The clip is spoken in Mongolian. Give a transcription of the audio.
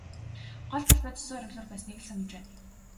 Гол талбайд усан оргилуур байсныг л санаж байна.